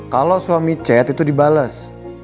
kalau suami chat itu dibales